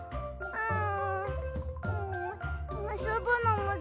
うん！